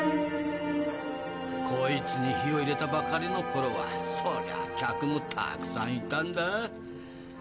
こいつに火を入れたばかりの頃はそりゃあ客もたくさんいたんだぁ。